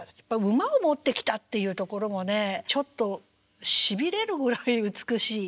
馬を持ってきたっていうところもねちょっとしびれるぐらい美しい。